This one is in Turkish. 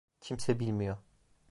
Kimse bilmiyor.